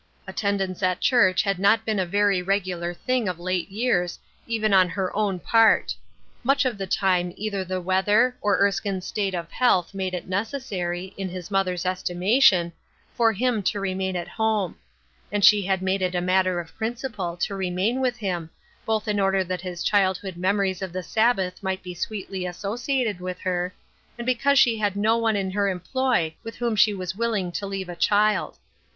Attendance at church had not been a very regular thing of late years, even on her own part. Much of the time either the weather, or 74 DRIFTING. Erskine's state of health made it necessary, in his mother's estimation, for him to remain at home ; and she had made it a matter of principle to remain with him, both in order that his childhood memo ries of the Sabbath might be sweetly associated with her, and because she had no one in her employ with whom she was willing to leave a child.